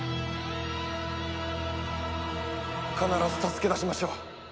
必ず助け出しましょう！